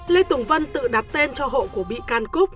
lê tùng vân tự đặt tên cho hộ của bị can cúc